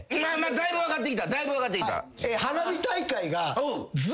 だいぶ分かってきた。